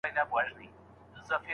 هلک د کور کارونو ته وخت نه لري.